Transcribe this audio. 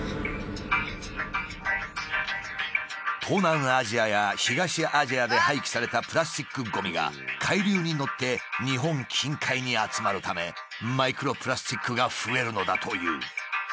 東南アジアや東アジアで廃棄されたプラスチックごみが海流に乗って日本近海に集まるためマイクロプラスチックが増えるのだという。